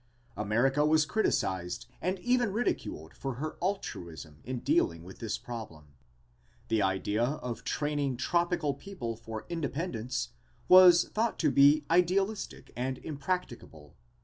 America was criticised and even ridiculed for her altruism in dealing with this problem. The idea of training tropical people for independence was thought to be idealistic and impracticable.